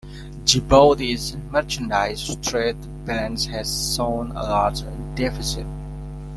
Djibouti's merchandise trade balance has shown a large deficit.